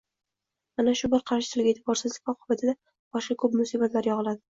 Mana shu bir qarich tilga e’tiborsizlik oqibatida boshga ko‘p musibatlar yog‘iladi.